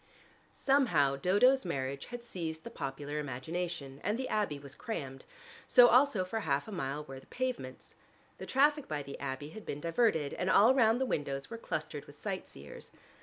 Somehow Dodo's marriage had seized the popular imagination, and the Abbey was crammed, so also for half a mile were the pavements. The traffic by the Abbey had been diverted, and all round the windows were clustered with sight seers.